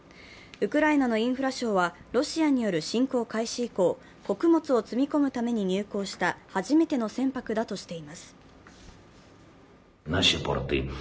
ウクライナのインフラ相は、ロシアによる侵攻開始以降、穀物を積み込むために入港した初めての船舶だとしています。